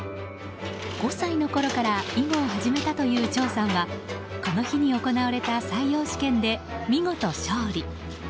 ５歳のころから囲碁を始めたという張さんはこの日に行われた採用試験で見事勝利。